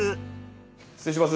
失礼します。